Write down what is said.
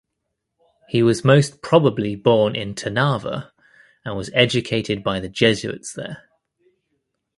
He was most probably born in Trnava and was educated by the Jesuits there.